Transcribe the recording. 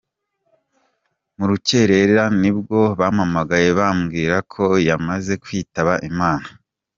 Mu rukerera nibwo bampamagaye bambwira ko yamaze kwitaba Imana.